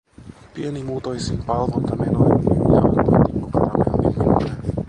Pienimuotoisin palvontamenoin myyjä antoi tikkukaramellin minulle.